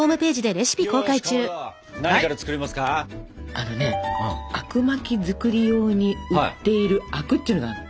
あのねあくまき作り用に売っている灰汁っていうのがあるの。